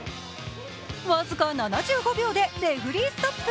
僅か７５秒でレフェリーストップ。